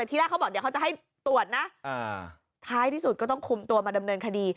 ที่แรกเขาบอกเดี๋ยวเขาจะให้ตรวจนะท้ายที่สุดก็ต้องคุมตัวมาดำเนินคดี